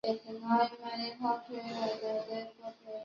蕨萁为阴地蕨科阴地蕨属下的一个种。